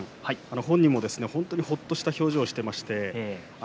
本人もほっとした表情をしていました。